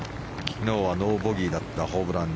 昨日はノーボギーだったホブラン。